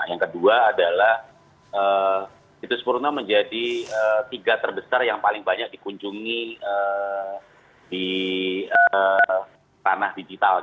yang kedua adalah situs purno menjadi tiga terbesar yang paling banyak dikunjungi di tanah digital